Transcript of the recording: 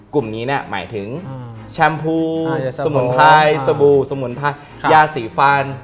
กลุ่มนี้หมายถึงแชมพูสมุนไพรสบู่สมุนไพรยาสีฟัน